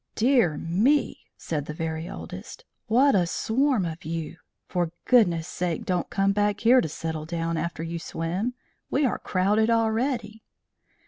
"Dear me!" said the very oldest. "What a swarm of you! For goodness sake don't come back here to settle after your swim. We are crowded already."